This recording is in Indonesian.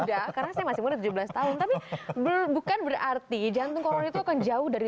udah karena saya masih muda tujuh belas tahun tapi bukan berarti jantung koror itu akan jauh dari